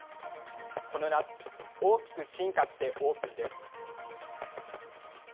この夏大きく進化してオープンです。